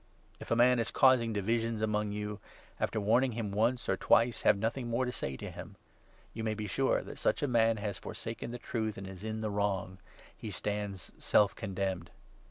If a man is causing 10 divisions among you, after warning him once or twice, have nothing more to say to him. You may be sure that such a 11 man has forsaken the Truth and is in the wrong ; he stands self condemned. III.